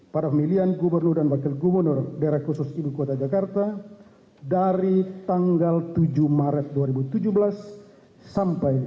pada pemilihan gubernur dan wakil gubernur daerah khusus ibu kota jakarta dari tanggal tujuh maret dua ribu tujuh belas sampai dua ribu sembilan belas